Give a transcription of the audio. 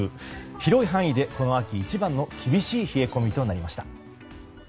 広い範囲でこの秋一番の厳しい冷え込みとなりました。